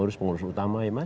pengurus pengurus utama ya mas